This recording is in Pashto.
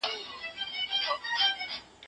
څېړنه د کومو ژبنیو اصولو اړتیا لري؟